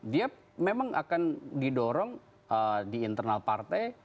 dia memang akan didorong di internal partai